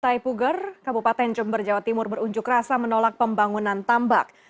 taipuger kabupaten jember jawa timur berunjuk rasa menolak pembangunan tambak